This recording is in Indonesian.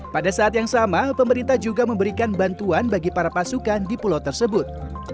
pada saat yang sama pemerintah juga memberikan bantuan bagi para pasukan di pulau tersebut